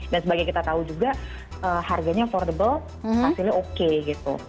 dan sebagai kita tahu juga harganya affordable hasilnya oke gitu